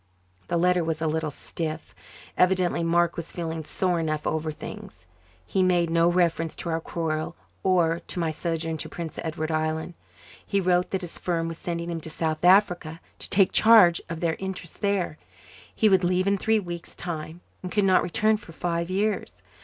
The letter was a little stiff. Evidently Mark was feeling sore enough over things. He made no reference to our quarrel or to my sojourn in Prince Edward Island. He wrote that his firm was sending him to South Africa to take charge of their interests there. He would leave in three weeks' time and could not return for five years.